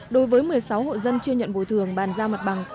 đối với một mươi sáu hộ dân chưa nhận bồi thường bàn giao mặt bằng